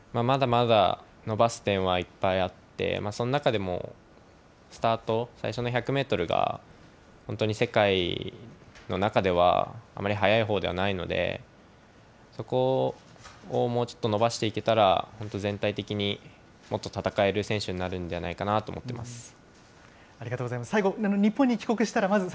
まだまだ伸ばす点はいっぱいあって、その中でもスタート、最初の１００メートルが、本当に世界の中では、あまり速いほうではないので、そこをもうちょっと伸ばしていけたら、本当、全体的にもっと戦える選手になるんじゃないかなと思っています。